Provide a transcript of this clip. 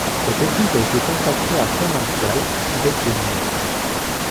Cette église a été consacrée à Saint Martial, évêque de Limoges.